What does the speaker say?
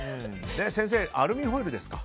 先生、アルミホイルですか。